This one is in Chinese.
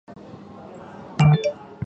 他获得过一次托尼奖。